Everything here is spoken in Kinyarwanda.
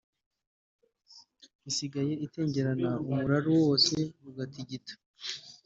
Isigaye itengerana umuraru wose ugatigita